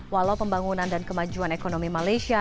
walau pembangunan dan kemajuan ekonomi malaysia